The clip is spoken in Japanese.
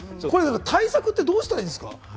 対策はどうしたらいいんですか？